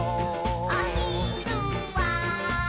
「おひるは」